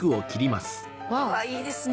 いいですね。